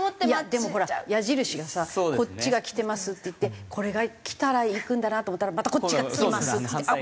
でもほら矢印がさこっちが来てますっていってこれが来たら行くんだなと思ったらまたこっちが来ますっつってこっちが来ますって。